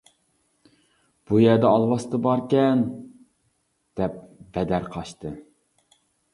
بۇ يەردە ئالۋاستى باركەن-دەپ بەدەر قاچتى.